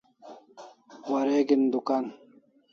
Wareg'in dukan